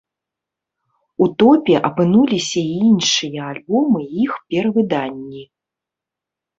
У топе апынуліся і іншыя альбомы і іх перавыданні.